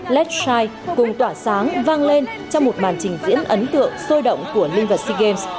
let s shine cùng tỏa sáng vang lên trong một màn trình diễn ấn tượng sôi động của linh vật sea games